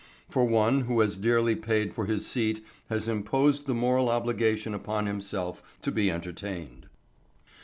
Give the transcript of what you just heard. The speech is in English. For one who has dearly paid for his seat has imposed the moral obligation upon himself to be entertained.